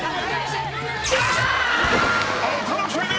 お楽しみに！